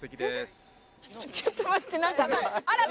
ちょっと待って何か。